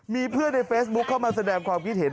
มีเพื่อนในเฟซบุ๊คเข้ามาแสดงความคิดเห็น